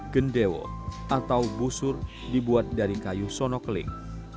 gendewo atau busur dibuat dari kayu sonokling